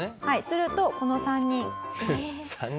するとこの３人。